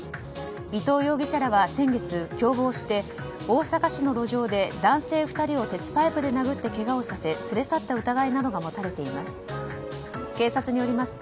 伊藤容疑者らは先月、共謀して大阪市の路上で男性２人を鉄パイプで殴ってけがをさせ連れ去った疑いなどが持たれています。